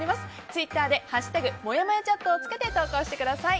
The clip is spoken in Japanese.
ツイッターで「＃もやもやチャット」をつけて投稿してください。